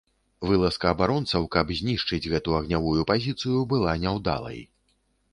Вылазка абаронцаў, каб знішчыць гэту агнявую пазіцыю, была няўдалай.